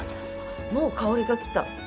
もう香りが来た。